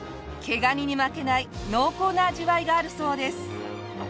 毛ガニに負けない濃厚な味わいがあるそうです。